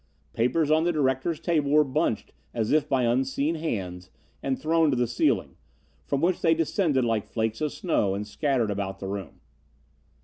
Papers on the directors' table were bunched as if by unseen hands, and thrown to the ceiling, from which they descended like flakes of snow and scattered about the room.